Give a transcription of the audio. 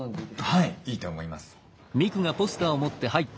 はいいいと思います。